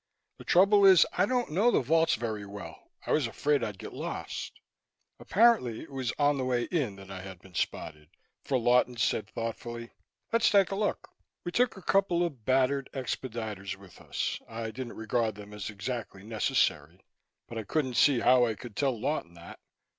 The trouble is, I don't know the vaults very well. I was afraid I'd get lost." Apparently it was on the way in that I had been spotted, for Lawton said thoughtfully, "Let's take a look." We took a couple of battered expediters with us I didn't regard them as exactly necessary, but I couldn't see how I could tell Lawton that.